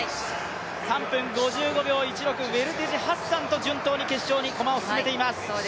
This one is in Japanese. ３分５５秒１６、ウェルテジ、ハッサンと順当に決勝に駒を進めています。